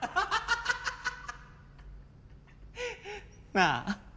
なあ？